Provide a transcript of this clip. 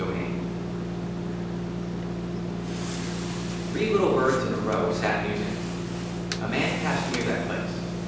^^ II I THREE LITTLE BIRDS IN A ROW SAT MUSING. A MAN PASSED NEAR THAT PLACE.